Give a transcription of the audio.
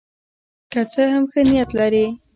که څه هم ښه نیت لري.